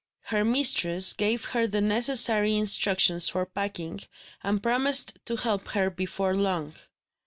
Her mistress gave her the necessary instructions for packing, and promised to help her before long.